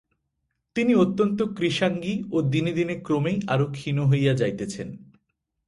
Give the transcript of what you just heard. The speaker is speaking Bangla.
তিনি অত্যঙ্গ কৃশাঙ্গী ও দিনে দিনে ক্রমেই আরও ক্ষীণ হইয়া যাইতেছেন।